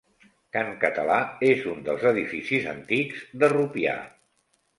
Can Català és un dels edificis antics de Rupià.